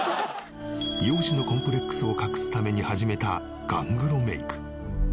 容姿のコンプレックスを隠すために始めたガングロメイク。